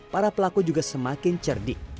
para pelaku juga semakin cerdik